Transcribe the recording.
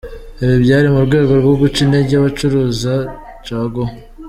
Ibi byari mu rwego rwo guca intege abacuruza caguwa .